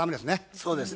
そうですね。